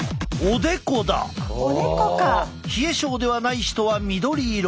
冷え症ではない人は緑色。